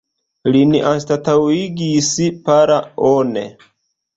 Lin anstataŭigis Para One.